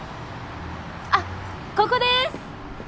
あっここです。